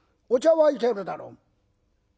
お茶はいけるだろ。